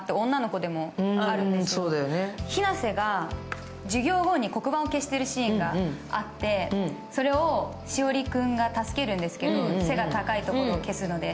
ひなせが授業後に黒板を消しているシーンがあって、それをしおり君が助けるんですけど、背が高いところを消すので。